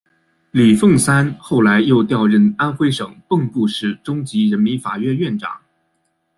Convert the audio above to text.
李奉三后来又调任安徽省蚌埠市中级人民法院院长。